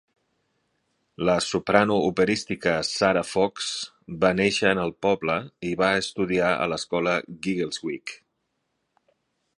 La soprano operística Sarah Fox va néixer en el poble i va estudiar a l'escola Giggleswick.